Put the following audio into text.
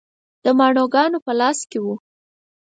د ماڼوګانو په لاس کې و.